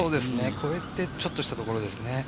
越えてちょっとしたところですね。